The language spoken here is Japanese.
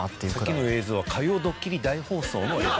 さっきの映像は『歌謡ドッキリ大放送！！』の映像。